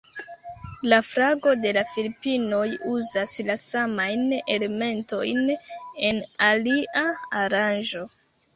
La flago de la Filipinoj uzas la samajn elementojn en alia aranĝo.